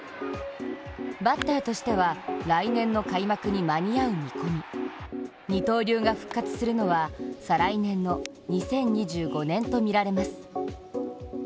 バッターとしては来年の開幕に間に合う見込み二刀流が復活するのは再来年の２０２５年とみられます。